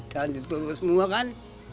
jalan ditutup semua kan